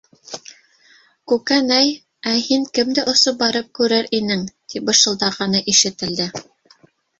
Күкәнәй, ә һин кемде осоп барып күрер инең? - тип бышылдағаны ишетелде.